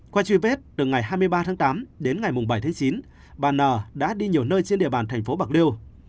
qua truy vết từ ngày hai mươi ba tháng tám đến ngày bảy tháng chín bà n đã đi nhiều nơi trên địa bàn thành phố bạc liêu